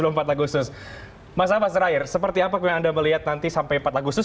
mas abbas terakhir seperti apa yang anda melihat nanti sampai empat agustus